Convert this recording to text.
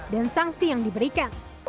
dan sanksi yang diberikan